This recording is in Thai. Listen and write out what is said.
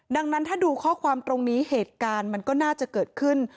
ดังนั้นถ้าดูข้อความตรงนี้เหตุการณ์มันก็น่าจะเกิดขึ้น